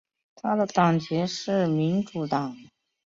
他的党籍是民主党。